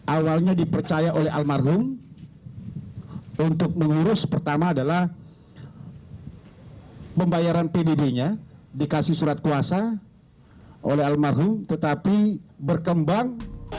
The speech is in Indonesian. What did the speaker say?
awalnya dipercaya oleh almarhum untuk mengurus pertama adalah pembayaran pdb nya dikasih surat kuasa oleh almarhum tetapi berkembang